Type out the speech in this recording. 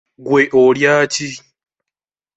Gwe olya ki?